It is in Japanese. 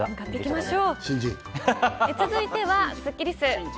続いてはスッキりす。